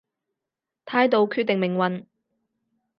態度決定命運